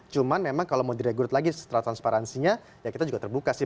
cuma memang kalau mau diregulir lagi secara transparansinya ya kita juga terbuka sih